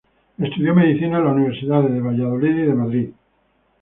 Estudió medicina en las Universidades de Valladolid y de Madrid.